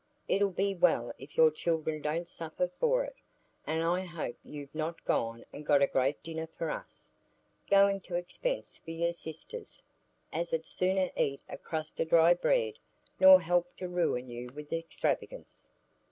It'll be well if your children don't suffer for it. And I hope you've not gone and got a great dinner for us,—going to expense for your sisters, as 'ud sooner eat a crust o' dry bread nor help to ruin you with extravagance.